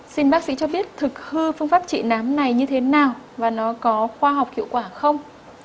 xin bác sĩ cho biết thực hư phương pháp trị nám này như thế nào và nó có khoa học hiệu quả không